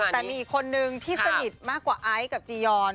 แต่มีคนหนึ่งที่สนิทมากกว่าอ๊ายกับจียอน